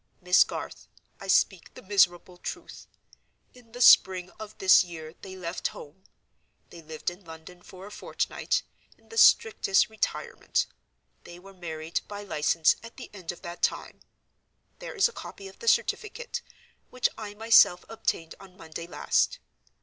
Miss Garth, I speak the miserable truth! In the spring of this year they left home; they lived in London for a fortnight, in the strictest retirement; they were married by license at the end of that time. There is a copy of the certificate, which I myself obtained on Monday last.